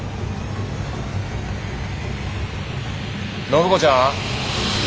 暢子ちゃん。